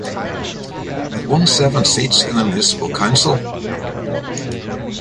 It won seven seats in the municipal council.